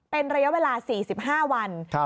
เป็นระยะเวลา๔๕วัน